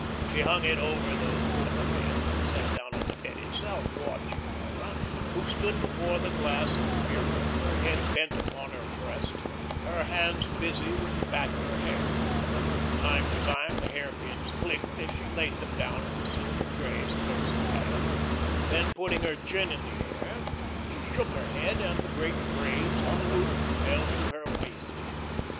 She hung it over the foot of the bed, and sat down on the bed itself, watching Laura, who stood before the glass of the bureau, her head bent upon her breast, her hands busy with the back of her hair. From time to time the hairpins clicked as she laid them down in the silver trays close at hand. Then putting her chin in the air, she shook her head, and the great braids, unlooped, fell to her waist.